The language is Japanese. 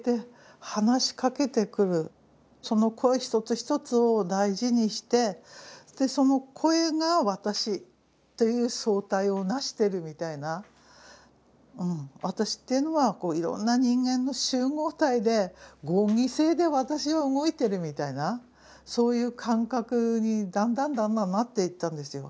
その声一つ一つを大事にしてその声が私という総体を成してるみたいな私というのはいろんな人間の集合体で合議制で私は動いてるみたいなそういう感覚にだんだんだんだんなっていったんですよ。